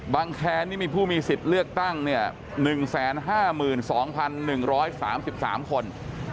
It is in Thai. แคนนี่มีผู้มีสิทธิ์เลือกตั้งเนี่ย๑๕๒๑๓๓คน